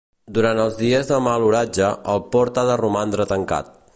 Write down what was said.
Durant els dies de mal oratge, el port ha de romandre tancat.